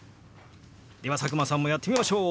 では佐久間さんもやってみましょう！